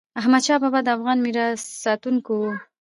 احمدشاه بابا د افغان میراث ساتونکی و.